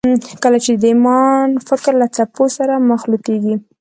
کله چې ایمان د فکر له څپو سره مخلوطېږي